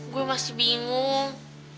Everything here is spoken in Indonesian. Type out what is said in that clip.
gue masih bingung